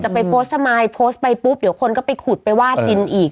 ไปโพสต์สมายโพสต์ไปปุ๊บเดี๋ยวคนก็ไปขุดไปว่าจินอีก